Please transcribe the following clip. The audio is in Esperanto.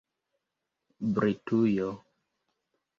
Britujo